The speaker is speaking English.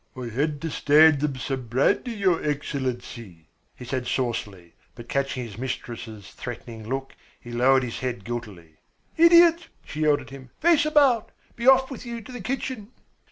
"I had to stand them some brandy, your Excellency," he said saucily, but catching his mistress's threatening look, he lowered his head guiltily. "Idiot," she yelled at him, "face about. Be off with you to the kitchen."